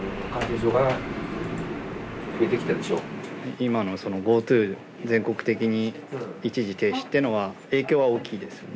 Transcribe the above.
今のそのＧｏＴｏ全国的に一時停止っていうのは影響は大きいですよね。